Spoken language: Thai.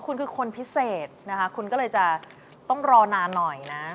คุณคือคนพิเศษนะคะคุณก็เลยจะต้องรอนานหน่อยนะ